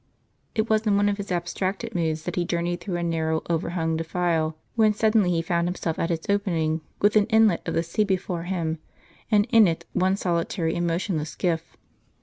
It was in one of his abstracted moods that he journeyed through a narrow overhung defile, when suddenly he found himself at its opening, with an inlet of the sea before him, and in it one solitary and motionless skiff.